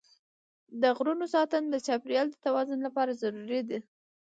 د غرونو ساتنه د چاپېریال د توازن لپاره ضروري ده.